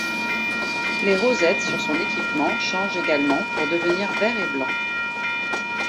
Les rosettes sur son équipement changent également pour devenir verts et blanc.